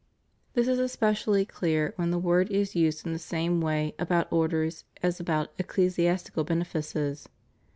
This is especially clear when the word is used in the same way about orders as about "ecclesias tical benefices."